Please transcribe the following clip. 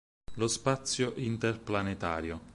Lo Spazio interplanetario.